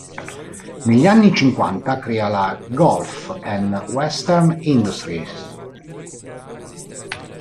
Negli anni cinquanta crea la Gulf and Western Industries.